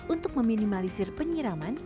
untuk meminimalisir tanaman